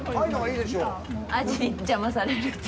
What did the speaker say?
アジに邪魔されるって。